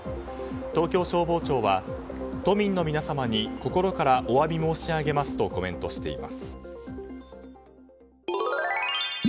東京消防庁は都民の皆様に心からお詫び申し上げますとコメントしています。